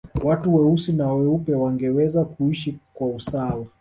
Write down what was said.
watu weusi na weupe wangeweza kuishi kwa usawa